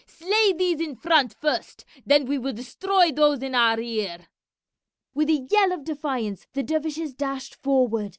Slay these in front first, then we will destroy those in our rear!" With a yell of defiance the dervishes dashed forward.